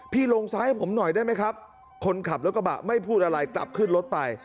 ลงซ้ายให้ผมหน่อยได้ไหมครับคนขับรถกระบะไม่พูดอะไรกลับขึ้นรถไป